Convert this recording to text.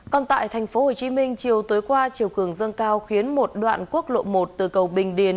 còn tại tp hcm chiều tối qua chiều cường dâng cao khiến một đoạn quốc lộ một từ cầu bình điền